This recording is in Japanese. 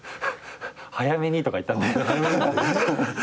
「早めに」とか言ったんで。